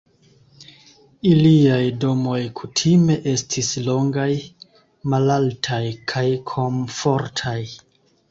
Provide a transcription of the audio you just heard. Iliaj domoj kutime estis longaj, malaltaj kaj komfortaj.